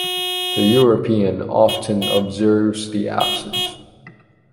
The European often observes the absence.